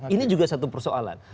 ini juga satu persoalan